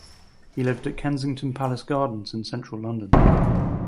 He lived at Kensington Palace Gardens in central London.